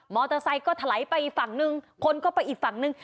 มอเตอร์ไซต์ก็ทะไหลไปอีกฝั่งนึงคนก็ไปอีกฝั่งนึง